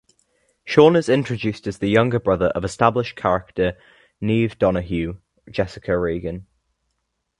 Sean is introduced as the younger brother of established character Niamh Donoghue (Jessica Regan).